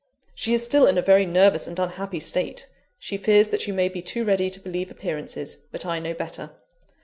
"She is still in a very nervous and unhappy state; she fears that you may be too ready to believe appearances; but I know better.